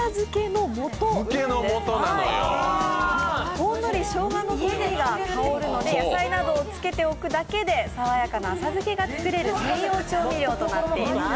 ほんのりしょうがの香りが香るので野菜などを漬けておくだけで、さわやかな浅漬けが作れる専用調味料となっています。